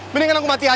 mendingan aku mati aja